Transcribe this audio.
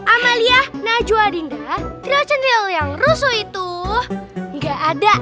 amalia najwa dinda trio centil yang rusuh itu gak ada